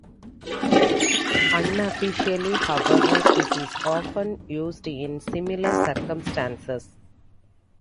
Unofficially, however, it is often used in similar circumstances.